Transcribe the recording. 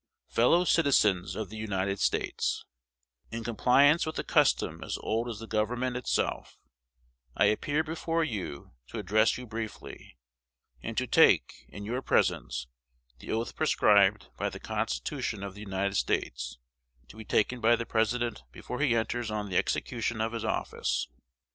Fellow Citizens of the United States: In compliance with a custom as old as the Government itself, I appear before you to address you briefly, and to take, in your presence, the oath prescribed by the Constitution of the United States to be taken by the President before he enters on the execution of his office.